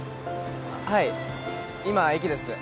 はい今駅です